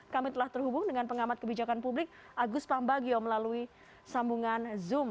kami telah terhubung dengan pengamat kebijakan publik agus pambagio melalui sambungan zoom